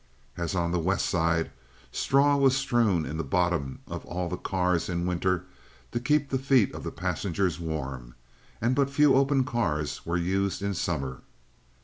As on the West Side, straw was strewn in the bottom of all the cars in winter to keep the feet of the passengers warm, and but few open cars were used in summer.